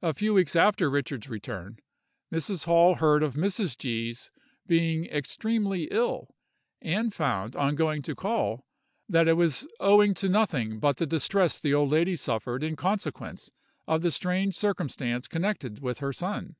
A few weeks after Richard's return, Mrs. Hall heard of Mrs. G——'s being extremely ill; and found, on going to call, that it was owing to nothing but the distress the old lady suffered in consequence of the strange circumstance connected with her son.